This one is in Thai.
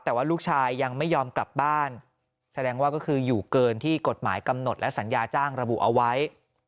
แต่ว่าลูกชายยังไม่ยอมกลับบ้านแสดงว่าก็คืออยู่เกินที่กฎหมายกำหนดและสัญญาจ้างระบุเอาไว้